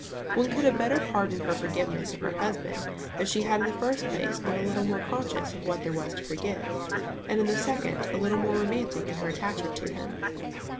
One could have better pardoned her forgiveness of her husband if she had in the first place been a little more conscious of what there was to forgive; and in the second, a little more romantic in her attachment to him.